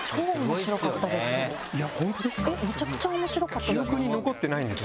めちゃくちゃ面白かった。